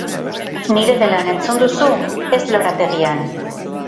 Nire gelan, entzun duzu? Ez lorategian!